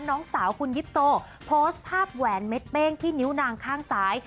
น้องสาวคุณยิปโซโพสต์ภาพแหวนเม็ดเป้งที่นิ้วนางข้างซ้าย